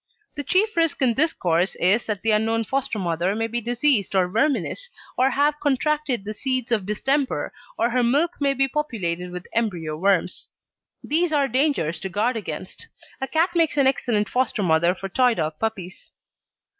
The chief risk in this course is that the unknown foster mother may be diseased or verminous or have contracted the seeds of distemper, or her milk may be populated with embryo worms. These are dangers to guard against. A cat makes an excellent foster mother for Toy dog puppies.